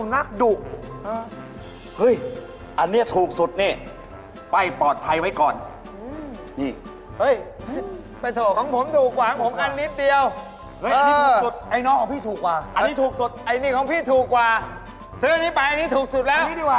น้องเอางี้ดีกว่าครับ